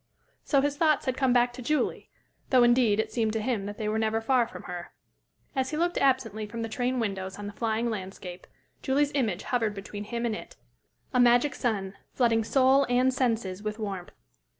So his thoughts had come back to Julie, though, indeed, it seemed to him that they were never far from her. As he looked absently from the train windows on the flying landscape, Julie's image hovered between him and it a magic sun, flooding soul and senses with warmth.